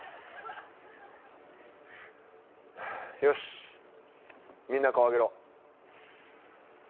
よしみんな顔を上げろ。